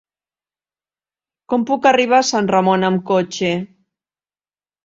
Com puc arribar a Sant Ramon amb cotxe?